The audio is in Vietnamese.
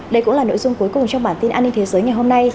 đây cũng là nội dung cuối cùng trong bản tin an ninh thế giới ngày hôm nay